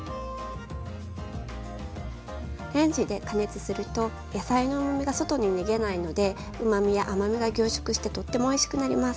レンジで加熱すると野菜のうまみが外に逃げないのでうまみや甘みが凝縮してとってもおいしくなります。